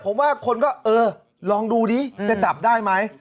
ผมว่าคนก็เออลองดูดิจะจับได้ไหม